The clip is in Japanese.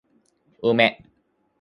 梅